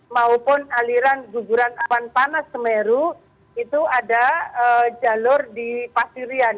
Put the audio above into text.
maupun aliran guguran awan panas semeru itu ada jalur di pasirian